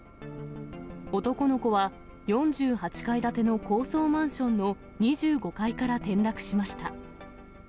男の子は４８階建ての高層マンションの２５階から転落しました。